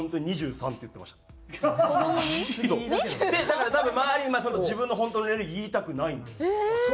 ２３？だから多分周りに自分の本当の年齢言いたくないんです。